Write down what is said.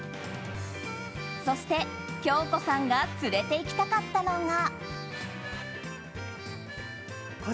そして京子さんが連れていきたかったのが。